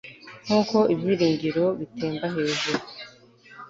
nkuko ibyiringiro bitemba hejuru